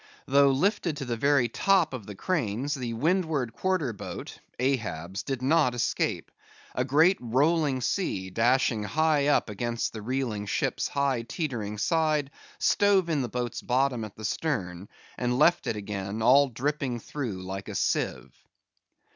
Though lifted to the very top of the cranes, the windward quarter boat (Ahab's) did not escape. A great rolling sea, dashing high up against the reeling ship's high teetering side, stove in the boat's bottom at the stern, and left it again, all dripping through like a sieve.